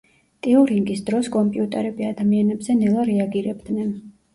ტიურინგის დროს კომპიუტერები ადამიანზე ნელა რეაგირებდნენ.